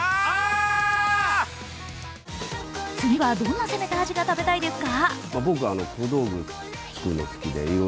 次は、どんな攻めた味が食べたいですか？